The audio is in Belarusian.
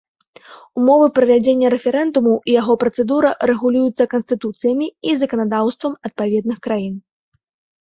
Умовы правядзення рэферэндуму і яго працэдура рэгулююцца канстытуцыямі і заканадаўствам адпаведных краін.